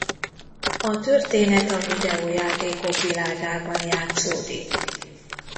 A történet a videójátékok világában játszódik.